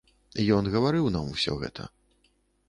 Ён гаварыў нам усё гэта.